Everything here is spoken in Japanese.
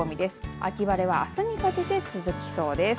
秋晴れはあすにかけて続きそうです。